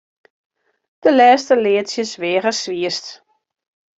De lêste leadsjes weage swierst.